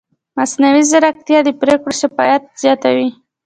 مصنوعي ځیرکتیا د پرېکړو شفافیت زیاتوي.